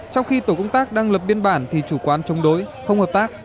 trong khi tổ công tác đang lập biên bản thì chủ quán chống đối không hợp tác